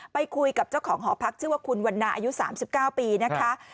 ไปคุยกับเจ้าของหอพักชื่อว่าคุณวันนาอายุ๓๙ปีนะคะ